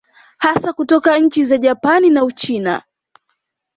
Hasa kutoka nchi za Japani na Uchina